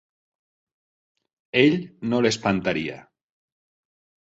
Ell no l'espantaria.